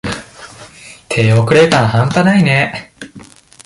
手遅れ感はんぱないね。